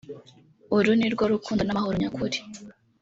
uru nirwo rukundo n’amahoro nyakuri